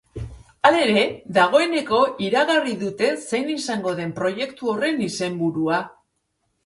Halere, dagoeneko iragarri dute zein izango den proiektu horren izenburua.